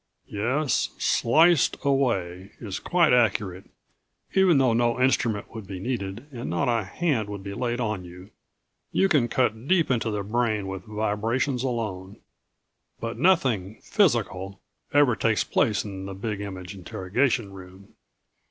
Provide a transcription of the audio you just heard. Yes ... sliced away is quite accurate, even though no instrument would be needed and not a hand would be laid on you. You can cut deep into the brain with vibrations alone. But nothing ... physical ever takes place in the Big Image interrogation room.